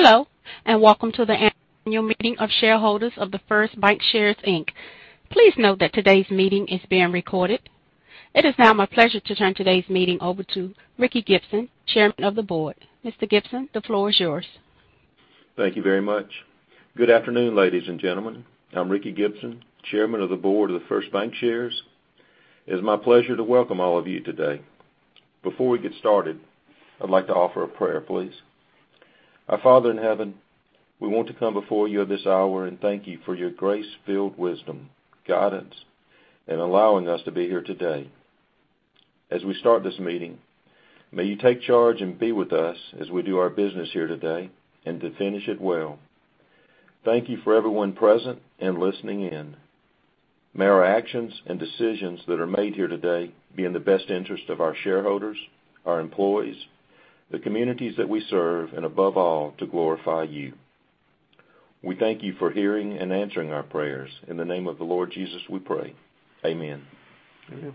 Hello, and welcome to the annual meeting of shareholders of The First Bancshares, Inc. Please note that today's meeting is being recorded. It is now my pleasure to turn today's meeting over to E. Ricky Gibson, Jr. Chairman of the Board. Mr. Gibson, the floor is yours. Thank you very much. Good afternoon, ladies and gentlemen. I'm Ricky Gibson, Chairman of the Board of The First Bancshares. It is my pleasure to welcome all of you today. Before we get started, I'd like to offer a prayer, please. Our Father in heaven, we want to come before you at this hour and thank you for your grace-filled wisdom, guidance, and allowing us to be here today. As we start this meeting, may you take charge and be with us as we do our business here today and to finish it well. Thank you for everyone present and listening in. May our actions and decisions that are made here today be in the best interest of our shareholders, our employees, the communities that we serve, and above all, to glorify you. We thank you for hearing and answering our prayers. In the name of the Lord Jesus, we pray. Amen. Amen.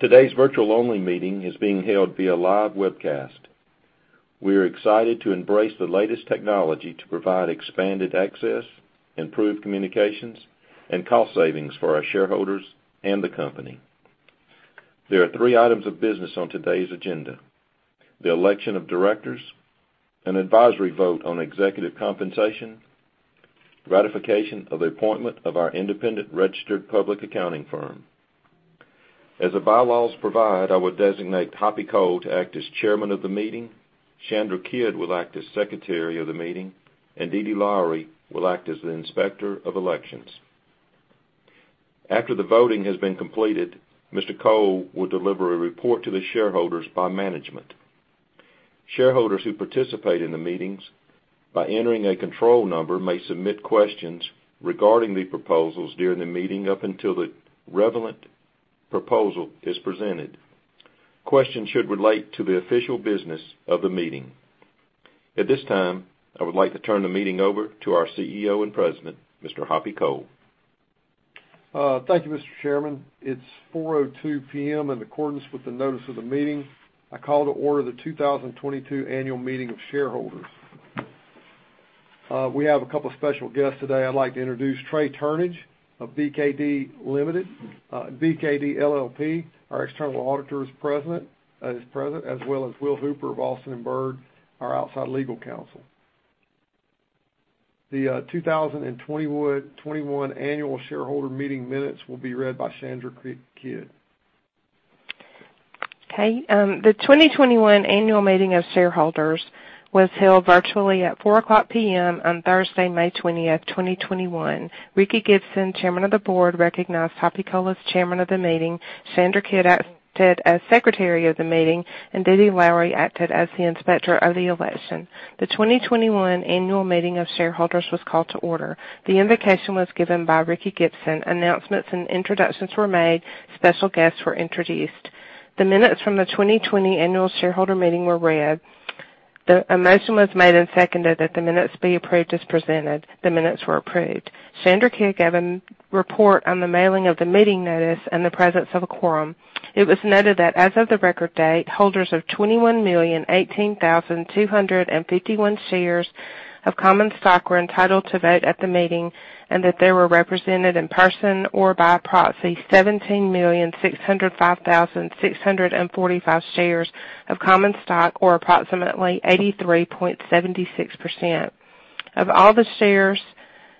Today's virtual-only meeting is being held via live webcast. We are excited to embrace the latest technology to provide expanded access, improved communications, and cost savings for our shareholders and the company. There are three items of business on today's agenda: the election of directors, an advisory vote on executive compensation, ratification of the appointment of our independent registered public accounting firm. As the bylaws provide, I would designate Hoppy Cole to act as Chairman of the meeting, Chandra Kidd will act as Secretary of the meeting, and Dee Dee Lowery will act as the Inspector of elections. After the voting has been completed, Mr. Cole will deliver a report to the shareholders by management. Shareholders who participate in the meetings by entering a control number may submit questions regarding the proposals during the meeting up until the relevant proposal is presented. Questions should relate to the official business of the meeting. At this time, I would like to turn the meeting over to our CEO and President, Mr. Ray Cole. Thank you, Mr. Chairman. It's 4:02PM. in accordance with the notice of the meeting. I call to order the 2022 annual meeting of shareholders. We have a couple of special guests today. I'd like to introduce Trey Turnage of BKD LLP. Our external auditor is present, as well as Will Hooper of Alston & Bird, our outside legal counsel. The 2021 annual shareholder meeting minutes will be read by Chandra Kidd. Okay. The 2021 annual meeting of shareholders was held virtually at 4:00PM. on Thursday, May 20, 2021. Ricky Gibson, Chairman of the Board, recognized Hoppy Cole as Chairman of the Meeting. Chandra Kidd acted as Secretary of the Meeting, and Dee Dee Lowery acted as the Inspector of the Election. The 2021 annual meeting of shareholders was called to order. The invocation was given by Ricky Gibson. Announcements and introductions were made. Special guests were introduced. The minutes from the 2020 annual shareholder meeting were read. A motion was made and seconded that the minutes be approved as presented. The minutes were approved. Chandra Kidd gave a report on the mailing of the meeting notice and the presence of a quorum. It was noted that as of the record date, holders of 21,018,251 shares of common stock were entitled to vote at the meeting, and that they were represented in person or by proxy 17,605,645 shares of common stock, or approximately 83.76% of all the shares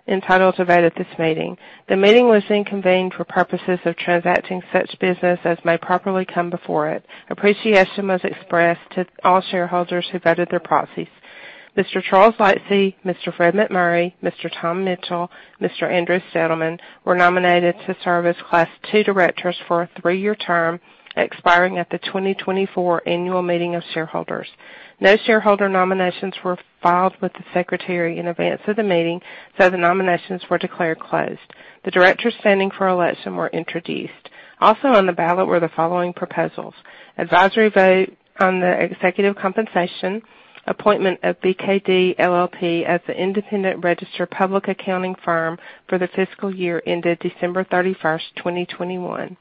entitled to vote at this meeting. The meeting was then convened for purposes of transacting such business as may properly come before it. Appreciation was expressed to all shareholders who voted their proxies. Mr. Charles Lightsey, Mr. Fred McMurray, Mr. Tom Mitchell, Mr. Andrew Scearce were nominated to serve as class two directors for a three-year term expiring at the 2024 annual meeting of shareholders. No shareholder nominations were filed with the secretary in advance of the meeting, so the nominations were declared closed. The directors standing for election were introduced. Also on the ballot were the following proposals, advisory vote on the executive compensation, appointment of BKD LLP as the independent registered public accounting firm for the fiscal year ended December 31, 2021.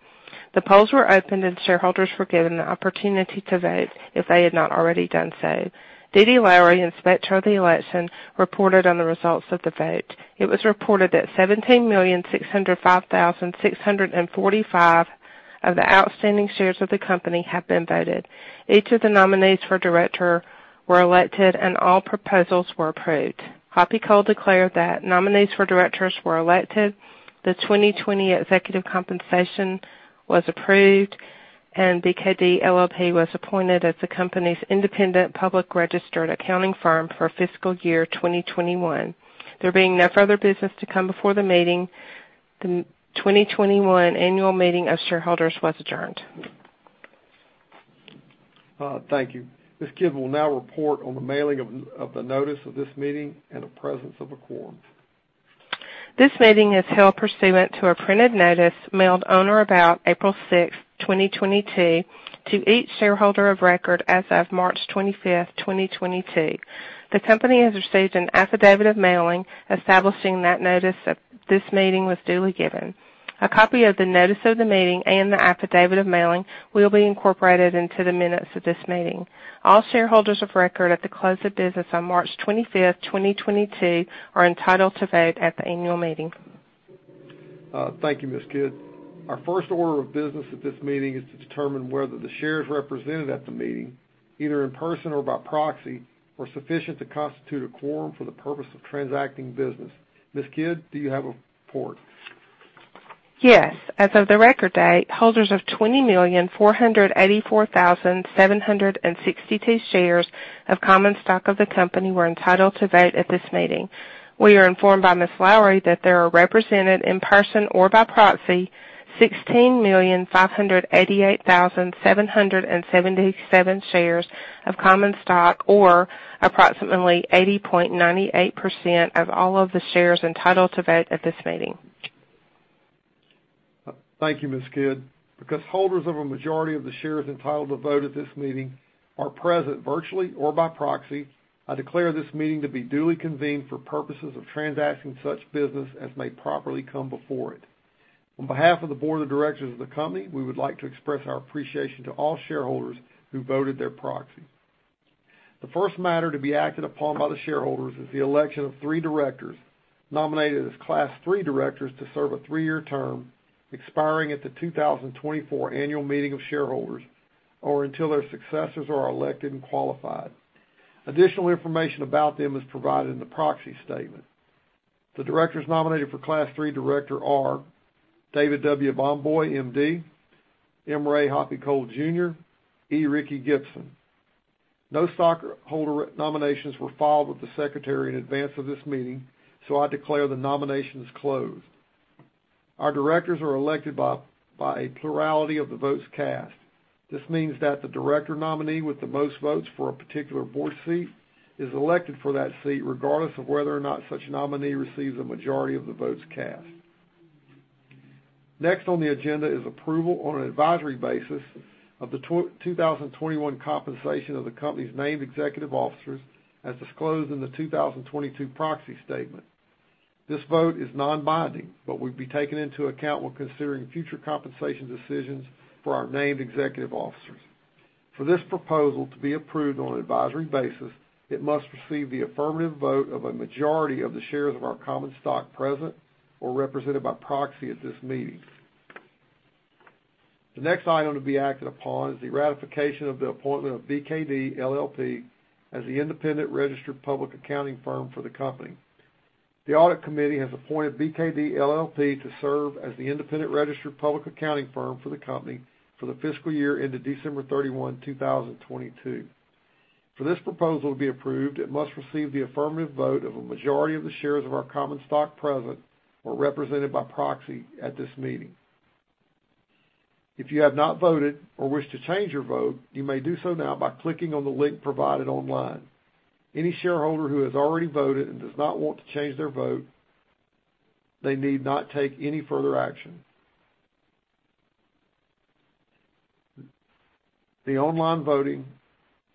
The polls were opened, and shareholders were given the opportunity to vote if they had not already done so. Dee Dee Lowery, Inspector of the Election, reported on the results of the vote. It was reported that 17,605,645 of the outstanding shares of the company have been voted. Each of the nominees for director were elected and all proposals were approved. Ray Cole declared that nominees for directors were elected, the 2020 executive compensation was approved, and BKD LLP was appointed as the company's independent public registered accounting firm for fiscal year 2021. There being no further business to come before the meeting, the 2021 annual meeting of shareholders was adjourned. Thank you. Ms. Chandra Kidd will now report on the mailing of the notice of this meeting and the presence of a quorum. This meeting is held pursuant to a printed notice mailed on or about April 6, 2022, to each shareholder of record as of March 25, 2022. The company has received an affidavit of mailing establishing that notice of this meeting was duly given. A copy of the notice of the meeting and the affidavit of mailing will be incorporated into the minutes of this meeting. All shareholders of record at the close of business on March 25th, 2022 are entitled to vote at the annual meeting. Thank you, Ms. Kidd. Our first order of business at this meeting is to determine whether the shares represented at the meeting, either in person or by proxy, were sufficient to constitute a quorum for the purpose of transacting business. Ms. Kidd, do you have a report? Yes. As of the record date, holders of 20,484,762 shares of common stock of the company were entitled to vote at this meeting. We are informed by Ms. Lowery that there are represented in person or by proxy 16,588,777 shares of common stock, or approximately 80.98% of all of the shares entitled to vote at this meeting. Thank you, Ms. Kidd. Because holders of a majority of the shares entitled to vote at this meeting are present virtually or by proxy, I declare this meeting to be duly convened for purposes of transacting such business as may properly come before it. On behalf of the Board of Directors of the company, we would like to express our appreciation to all shareholders who voted their proxy. The first matter to be acted upon by the shareholders is the election of three directors nominated as Class Three directors to serve a three-year term expiring at the 2024 annual meeting of shareholders, or until their successors are elected and qualified. Additional information about them is provided in the proxy statement. The directors nominated for Class Three director are David W. Bomboy, MD, M. Ray Cole, Jr., E. Ricky Gibson. No stockholder nominations were filed with the secretary in advance of this meeting, so I declare the nominations closed. Our directors are elected by a plurality of the votes cast. This means that the director nominee with the most votes for a particular board seat is elected for that seat regardless of whether or not such nominee receives a majority of the votes cast. Next on the agenda is approval on an advisory basis of the 2021 compensation of the company's named executive officers as disclosed in the 2022 proxy statement. This vote is non-binding, but will be taken into account when considering future compensation decisions for our named executive officers. For this proposal to be approved on an advisory basis, it must receive the affirmative vote of a majority of the shares of our common stock present or represented by proxy at this meeting. The next item to be acted upon is the ratification of the appointment of BKD LLP as the independent registered public accounting firm for the company. The audit committee has appointed BKD LLP to serve as the independent registered public accounting firm for the company for the fiscal year ending December 31, 2022. For this proposal to be approved, it must receive the affirmative vote of a majority of the shares of our common stock present or represented by proxy at this meeting. If you have not voted or wish to change your vote, you may do so now by clicking on the link provided online. Any shareholder who has already voted and does not want to change their vote, they need not take any further action. The online voting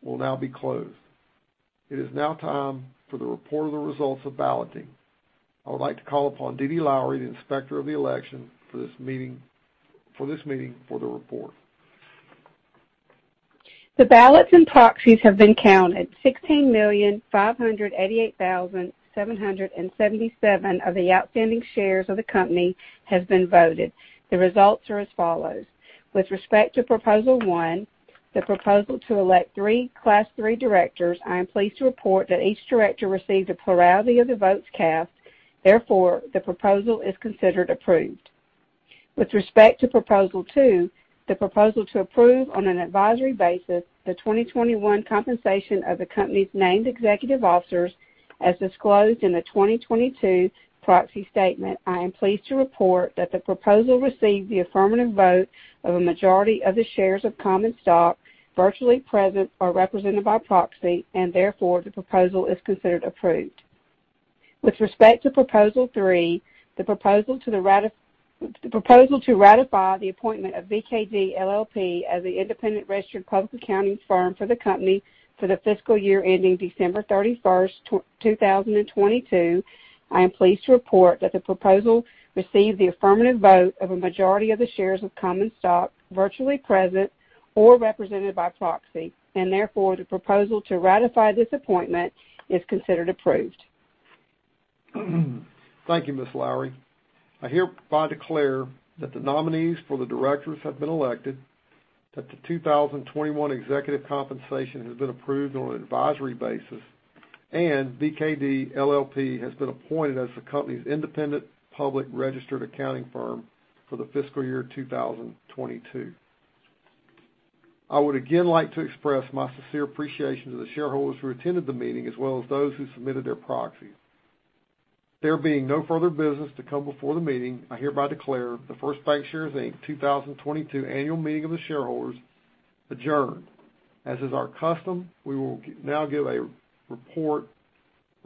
will now be closed. It is now time for the report of the results of balloting. I would like to call upon Dee Dee Lowery, the Inspector of the Election for this meeting, for the report. The ballots and proxies have been counted. 16,588,777 of the outstanding shares of the company have been voted. The results are as follows. With respect to Proposal One, the proposal to elect three Class Three directors, I am pleased to report that each director received a plurality of the votes cast. Therefore, the proposal is considered approved. With respect to Proposal Two, the proposal to approve on an advisory basis the 2021 compensation of the company's named executive officers as disclosed in the 2022 proxy statement, I am pleased to report that the proposal received the affirmative vote of a majority of the shares of common stock virtually present or represented by proxy, and therefore, the proposal is considered approved. With respect to Proposal Three, the proposal to ratify the appointment of BKD LLP as the independent registered public accounting firm for the company for the fiscal year ending December thirty-first, 2022, I am pleased to report that the proposal received the affirmative vote of a majority of the shares of common stock virtually present or represented by proxy, and therefore, the proposal to ratify this appointment is considered approved. Thank you, Ms. Lowery. I hereby declare that the nominees for the directors have been elected, that the 2021 executive compensation has been approved on an advisory basis, and BKD LLP has been appointed as the company's independent public registered accounting firm for the fiscal year 2022. I would again like to express my sincere appreciation to the shareholders who attended the meeting, as well as those who submitted their proxies. There being no further business to come before the meeting, I hereby declare The First Bancshares, Inc. 2022 annual meeting of the shareholders adjourned. As is our custom, we will now give a report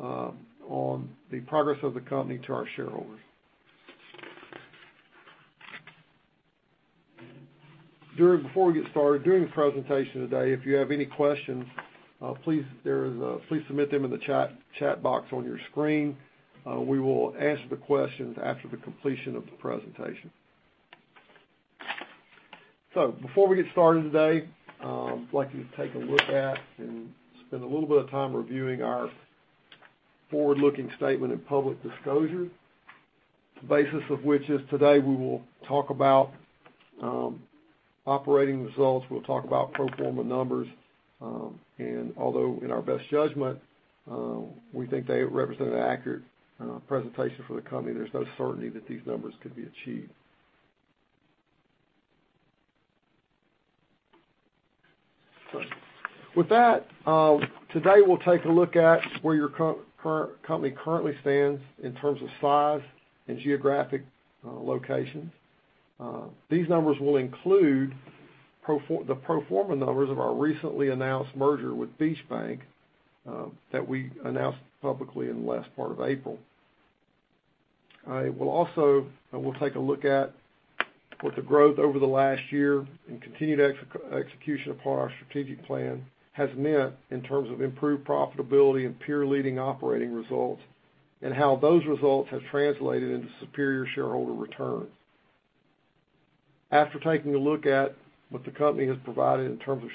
on the progress of the company to our shareholders. Before we get started, during the presentation today, if you have any questions, please submit them in the chat box on your screen. We will answer the questions after the completion of the presentation. Before we get started today, I'd like you to take a look at and spend a little bit of time reviewing our forward-looking statement and public disclosure, the basis of which is that today we will talk about operating results. We'll talk about pro forma numbers. Although in our best judgment, we think they represent an accurate presentation for the company, there's no certainty that these numbers could be achieved. With that, today we'll take a look at where your company currently stands in terms of size and geographic locations. These numbers will include the pro forma numbers of our recently announced merger with Beach Bank that we announced publicly in the last part of April. We'll take a look at what the growth over the last year and continued execution upon our strategic plan has meant in terms of improved profitability and peer-leading operating results, and how those results have translated into superior shareholder returns. After taking a look at what the company has provided in terms of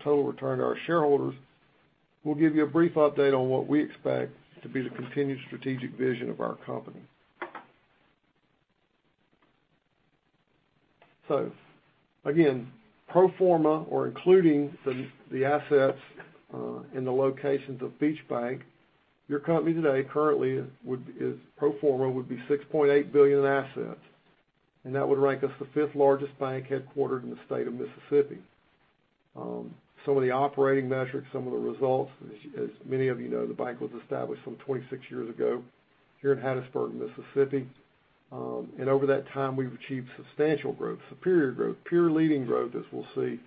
total return to our shareholders, we'll give you a brief update on what we expect to be the continued strategic vision of our company. Again, pro forma or including the assets and the locations of Beach Bank, your company today would be pro forma $6.8 billion in assets, and that would rank us the fifth-largest bank headquartered in the state of Mississippi. Some of the operating metrics, some of the results, as many of you know, the bank was established 26 years ago here in Hattiesburg, Mississippi. Over that time,n we've achieved substantial growth, superior growth, peer-leading growth, as we'll see,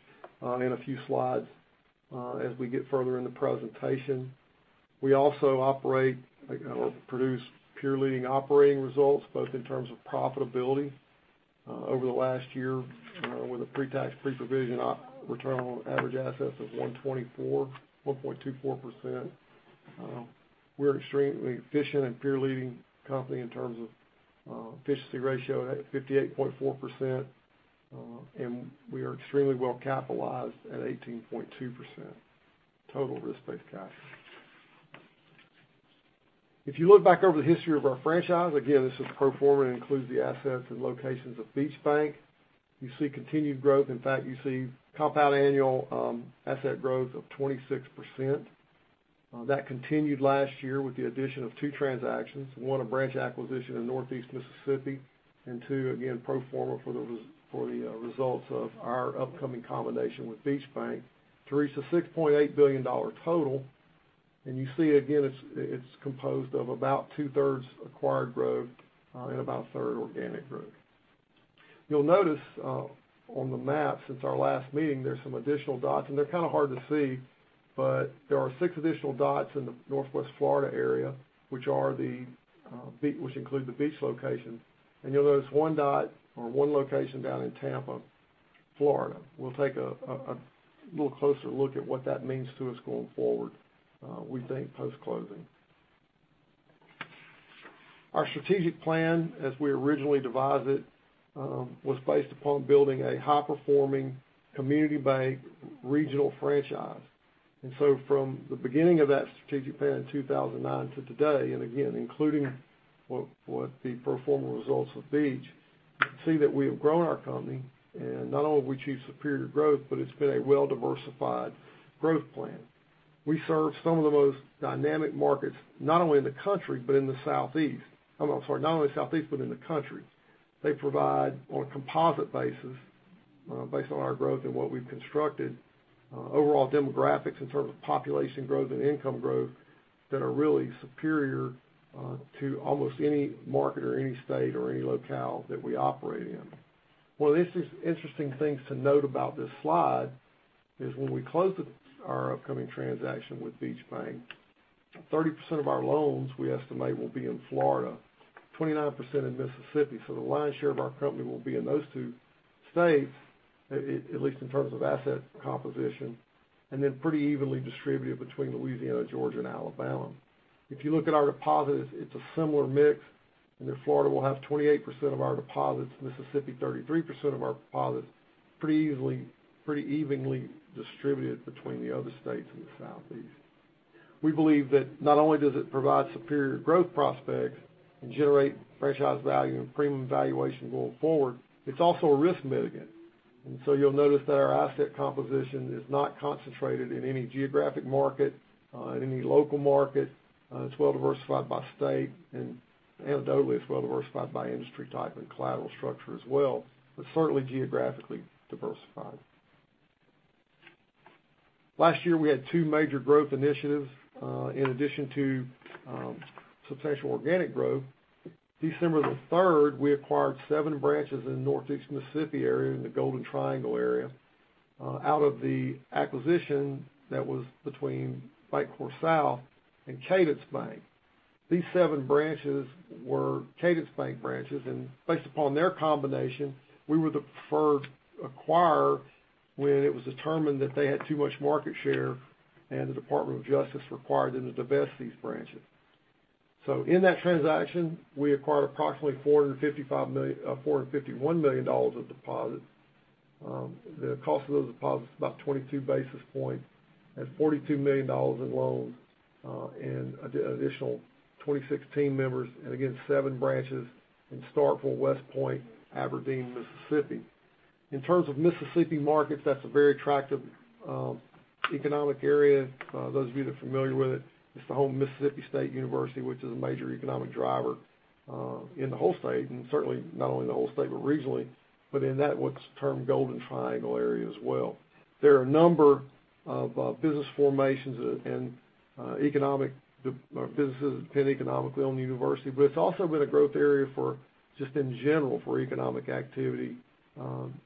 in a few slides, as we get further in the presentation. We also operate or produce peer-leading operating results, both in terms of profitability, over the last year, with a pre-tax, pre-provision return on average assets of 1.24%. We're aextremely efficient and peer-leading company in terms of, efficiency ratio at 58.4%, and we are extremely well capitalized at 18.2% total risk-based capital. If you look back over the history of our franchise, again, this is pro forma; it includes the assets and locations of Beach Bank. You see continued growth. In fact, you see compound annual asset growth of 26%. That continued last year with the addition of two transactions. One, a branch acquisition in Northeast Mississippi, and two, again, pro forma for the results of our upcoming combination with Beach Bank to reach a $6.8 billion total. You see again, it's composed of about two-thirds acquired growth, and about a third organic growth. You'll notice on the map since our last meeting, there's some additional dots and they're kind of hard to see, but there are six additional dots in the Northwest Florida area, which include the Beach locations. You'll notice one dot or one location down in Tampa, Florida. We'll take a little closer look at what that means to us going forward, we think post-closing. Our strategic plan, as we originally devised it, was based upon building a high-performing community bank regional franchise. From the beginning of that strategic plan in 2009 to today, and again, including the pro forma results of Beach. See that we have grown our company, and not only have we achieved superior growth, but it's been a well-diversified growth plan. We serve some of the most dynamic markets, not only in the country, but in the Southeast. I'm sorry, not only the Southeast, but in the country. They provide on a composite basis, based on our growth and what we've constructed, overall demographics in terms of population growth and income growth that are really superior, to almost any market or any state or any locale that we operate in. One of the interesting things to note about this slide is when we close our upcoming transaction with Beach Bank, 30% of our loans we estimate will be in Florida, 29% in Mississippi. The lion's share of our company will be in those two states, at least in terms of asset composition, and then pretty evenly distributed between Louisiana, Georgia, and Alabama. If you look at our deposits, it's a similar mix in that Florida will have 28% of our deposits, Mississippi 33% of our deposits, pretty easily, pretty evenly distributed between the other states in the Southeast. We believe that not only does it provide superior growth prospects and generate franchise value and premium valuation going forward, it's also a risk mitigant. You'll notice that our asset composition is not concentrated in any geographic market, in any local market. It's well diversified by state and anecdotally, it's well diversified by industry type and collateral structure as well, but certainly geographically diversified. Last year we had two major growth initiatives, in addition to, substantial organic growth. December 3, we acquired 7 branches in the Northeast Mississippi area in the Golden Triangle area. Out of the acquisition that was between BancorpSouth and Cadence Bank. These seven branches were Cadence Bank branches, and based upon their combination, we were the preferred acquirer when it was determined that they had too much market share and the Department of Justice required them to divest these branches. In that transaction, we acquired approximately $451 million of deposits. The cost of those deposits is about 22 basis points and $42 million in loans, and additional 26 team members, and again, seven branches in Starkville, West Point, Aberdeen, Mississippi. In terms of Mississippi markets, that's a very attractive economic area. Those of you that are familiar with it's the home of Mississippi State University, which is a major economic driver in the whole state, and certainly not only in the whole state, but regionally, but in that what's termed Golden Triangle area as well. There are a number of business formations and economic businesses that depend economically on the university, but it's also been a growth area for, just in general, for economic activity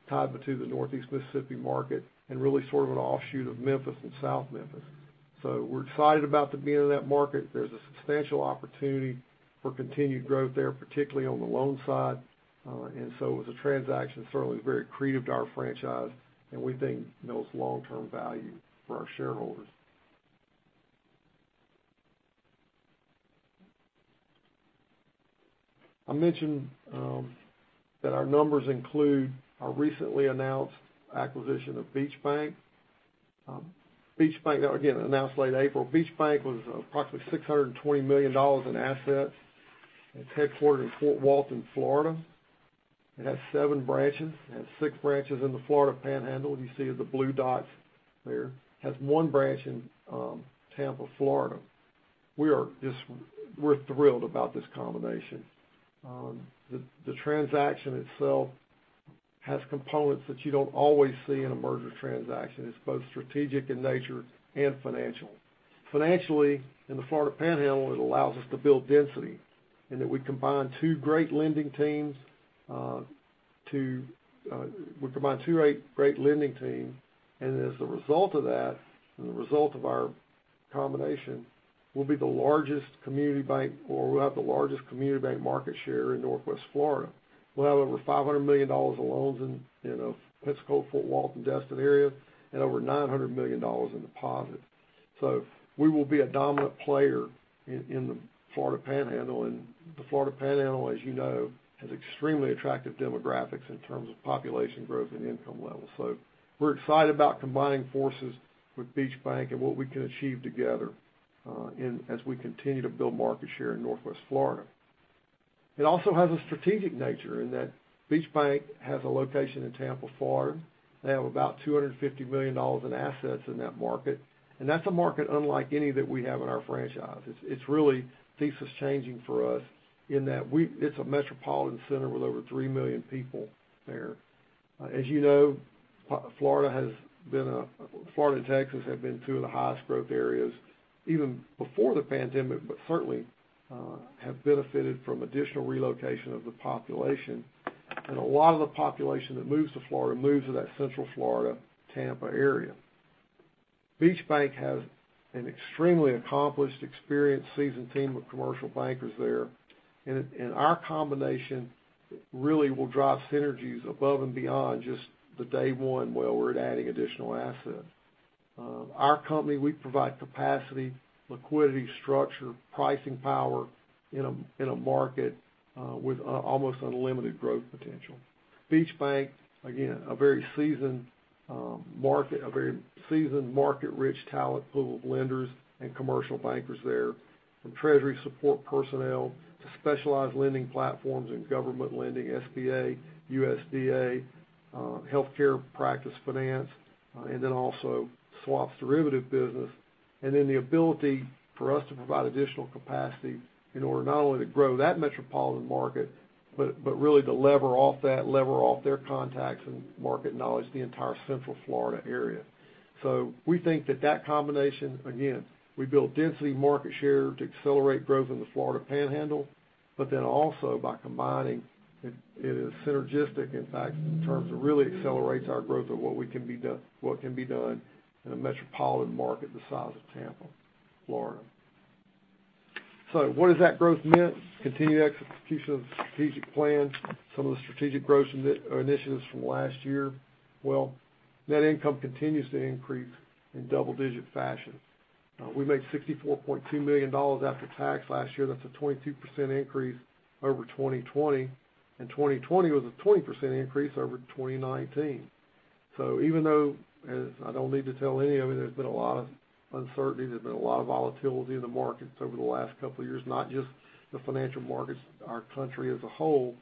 tied into the Northeast Mississippi market and really sort of an offshoot of Memphis and South Memphis. We're excited about the being in that market. There's a substantial opportunity for continued growth there, particularly on the loan side. It was a transaction certainly very accretive to our franchise, and we think builds long-term value for our shareholders. I mentioned that our numbers include our recently announced acquisition of Beach Bank. Beach Bank, again, announced late April. Beach Bank was approximately $620 million in assets. It's headquartered in Fort Walton Beach, Florida. It has seven branches. It has six branches in the Florida Panhandle. You see the blue dots there, has one branch in Tampa, Florida. We're thrilled about this combination. The transaction itself has components that you don't always see in a merger transaction. It's both strategic in nature and financial. Financially, in the Florida Panhandle, it allows us to build density in that we combine two great lending teams, and as a result of our combination, we'll be the largest community bank, or we'll have the largest community bank market share in Northwest Florida. We'll have over $500 million of loans in Pensacola, Fort Walton, Destin area and over $900 million in deposits. We will be a dominant player in the Florida Panhandle. The Florida Panhandle, as you know, has extremely attractive demographics in terms of population growth and income levels. We're excited about combining forces with Beach Bank and what we can achieve together, as we continue to build market share in Northwest Florida. It also has a strategic nature in that Beach Bank has a location in Tampa, Florida. They have about $250 million in assets in that market, and that's a market unlike any that we have in our franchise. It's really thesis-changing for us in that it's a metropolitan center with over 3 million people there. As you know, Florida has been a Florida and Texas have been two of the highest growth areas even before the pandemic, but certainly have benefited from additional relocation of the population. A lot of the population that moves to Florida moves to that Central Florida, Tampa area. Beach Bank has an extremely accomplished, experienced, seasoned team of commercial bankers there, and our combination really will drive synergies above and beyond just the day one, well, we're adding additional assets. Our company, we provide capacity, liquidity, structure, pricing power in a market with almost unlimited growth potential. Beach Bank, again, a very seasoned market, rich talent pool of lenders and commercial bankers there, from treasury support personnel to specialized lending platforms and government lending, SBA, USDA, healthcare practice finance, and then also swaps derivative business. The ability for us to provide additional capacity in order not only to grow that metropolitan market, but really to lever off their contacts and market knowledge, the entire Central Florida area. We think that that combination, again, we build density, market share to accelerate growth in the Florida Panhandle, but then also by combining it is synergistic, in fact, in terms of really accelerates our growth of what can be done in a metropolitan market the size of Tampa, Florida. What has that growth meant? Continued execution of the strategic plan, some of the strategic growth initiatives from last year. Well, net income continues to increase in double-digit fashion. We made $64.2 million after tax last year. That's a 22% increase over 2020, and 2020 was a 20% increase over 2019. Even though, as I don't need to tell any of you, there's been a lot of uncertainty, there's been a lot of volatility in the markets over the last couple of years, not just the financial markets, our country as a whole,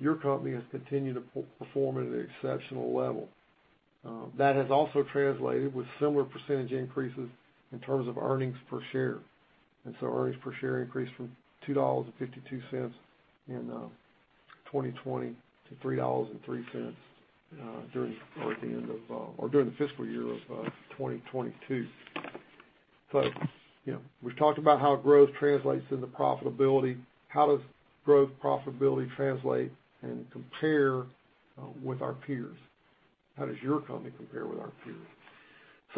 your company has continued to perform at an exceptional level. That has also translated with similar percentage increases in terms of earnings per share. Earnings per share increased from $2.52 in 2020 to $3.03 during the fiscal year of 2022. You know, we've talked about how growth translates into profitability. How does growth profitability translate and compare with our peers? How does your company compare with our peers?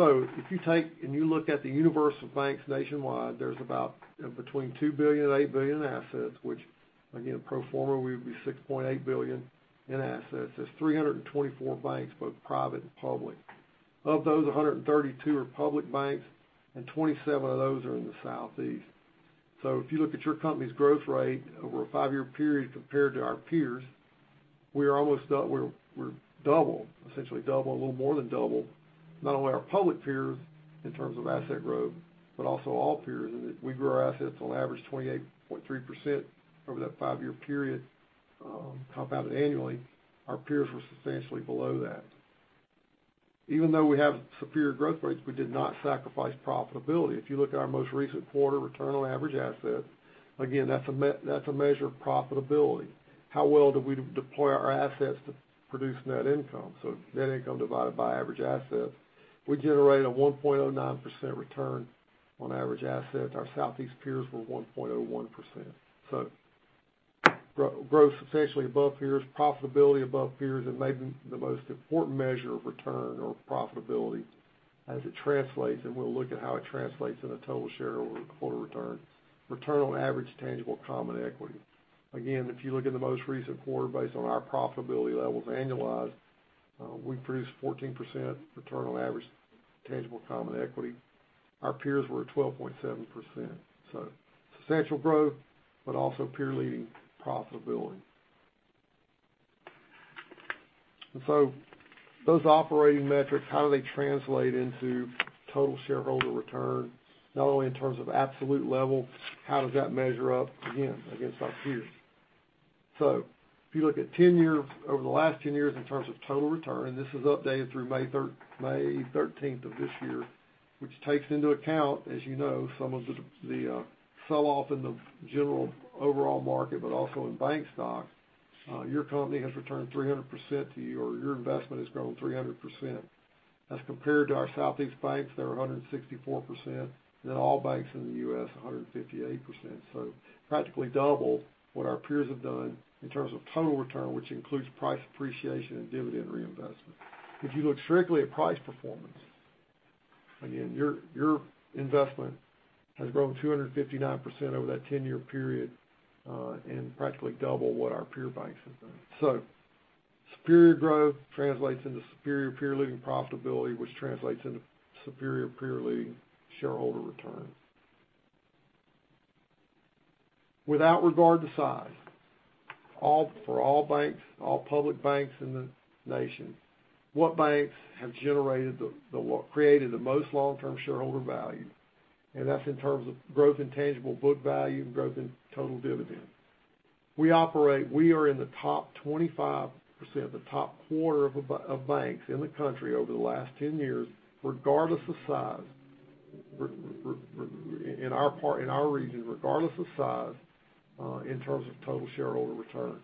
If you take and you look at the universe of banks nationwide, there's about between $2 billion and $8 billion in assets, which again, pro forma, we would be $6.8 billion in assets. There are 324 banks, both private and public. Of those, 132 are public banks, and 27 of those are in the Southeast. If you look at your company's growth rate over a five-year period compared to our peers, we're almost double, essentially double, a little more than double, not only our public peers in terms of asset growth, but also all peers. We grew our assets on average 28.3% over that five-year period, compounded annually. Our peers were substantially below that. Even though we have superior growth rates, we did not sacrifice profitability. If you look at our most recent quarter return on average assets, again, that's a measure of profitability. How well do we deploy our assets to produce net income, so net income divided by average assets? We generate a 1.09% return on average assets. Our Southeast peers were 1.01%. Growth, essentially above peers, profitability above peers, and maybe the most important measure of return or profitability as it translates, and we'll look at how it translates in a total shareholder return. Return on average tangible common equity. Again, if you look in the most recent quarter based on our profitability levels, annualized, we produced 14% return on average tangible common equity. Our peers were at 12.7%, so substantial growth but also peer-leading profitability. Those operating metrics, how do they translate into total shareholder return, not only in terms of absolute level, how does that measure up again against our peers? If you look over the last 10 years in terms of total return, this is updated through May thirteenth of this year, which takes into account, as you know, some of the sell-off in the general overall market, but also in bank stocks. Your company has returned 300% to you, or your investment has grown 300%. As compared to our Southeast banks, they were 164%, and then all banks in the U.S., 158%. Practically double what our peers have done in terms of total return, which includes price appreciation and dividend reinvestment. If you look strictly at price performance, again, your investment has grown 259% over that 10-year period, and practically double what our peer banks have done. Superior growth translates into superior peer-leading profitability, which translates into superior peer-leading shareholder returns. Without regard to size, for all banks, all public banks in the nation, what banks have created the most long-term shareholder value? That's in terms of growth in tangible book value and growth in total dividend. We are in the top 25%, the top quarter of banks in the country over the last 10 years, regardless of size, in our part, in our region, regardless of size, in terms of total shareholder return.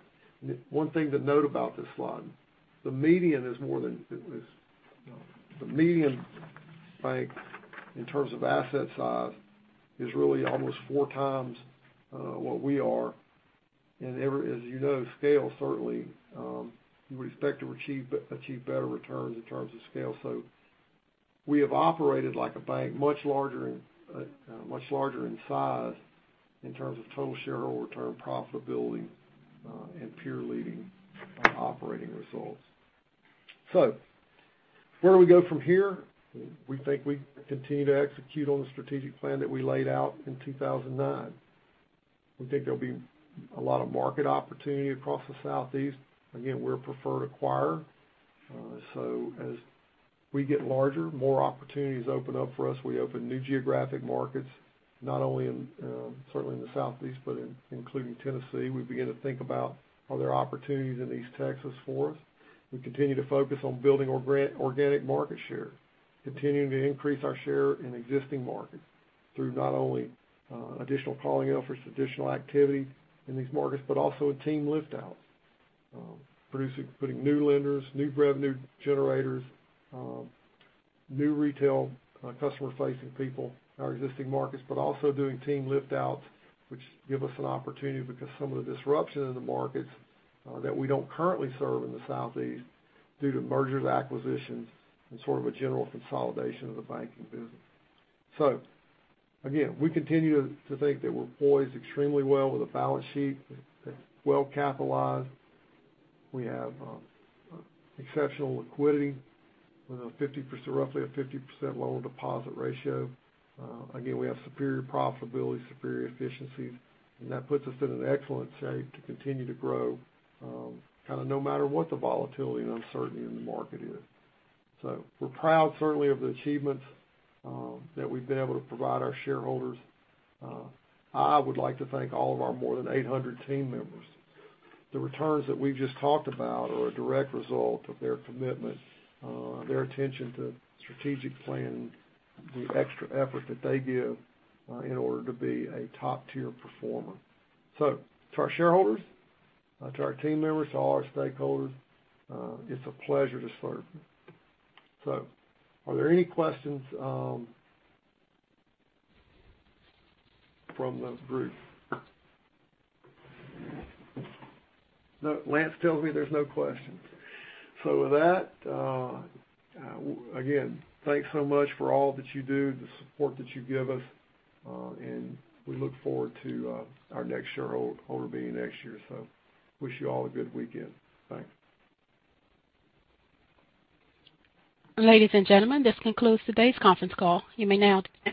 One thing to note about this slide, the median bank in terms of asset size is really almost 4x ,what we are. As you know, you would certainly expect to achieve better returns in terms of scale. We have operated like a bank much larger in size in terms of total shareholder return profitability and peer-leading operating results. Where do we go from here? We think we continue to execute on the strategic plan that we laid out in 2009. We think there'll be a lot of market opportunity across the Southeast. Again, we're a preferred acquirer. As we get larger, more opportunities open up for us. We open new geographic markets, not only in certainly in the Southeast, but in including Tennessee. We begin to think about, are there opportunities in East Texas for us? We continue to focus on building organic market share, continuing to increase our share in existing markets through not only additional calling efforts, additional activity in these markets, but also in team lift outs. Putting new lenders, new revenue generators, new retail customer-facing people in our existing markets, but also doing team lift outs, which give us an opportunity because some of the disruption in the markets that we don't currently serve in the Southeast due to mergers, acquisitions, and sort of a general consolidation of the banking business. Again, we continue to think that we're poised extremely well with a balance sheet that's well-capitalized. We have exceptional liquidity with roughly a 50% loan-to-deposit ratio. Again, we have superior profitability, superior efficiencies, and that puts us in an excellent shape to continue to grow, kinda no matter what the volatility and uncertainty in the market is. We're proud, certainly, of the achievements that we've been able to provide our shareholders. I would like to thank all of our more than 800 team members. The returns that we've just talked about are a direct result of their commitment, their attention to strategic planning, the extra effort that they give, in order to be a top-tier performer. To our shareholders, to our team members, to all our stakeholders, it's a pleasure to serve. Are there any questions from the group? No, Lance tells me there's no questions. With that, again, thanks so much for all that you do, the support that you give us, and we look forward to our next shareholder meeting next year. Wish you all a good weekend. Thanks. Ladies and gentlemen, this concludes today's conference call. You may now disconnect.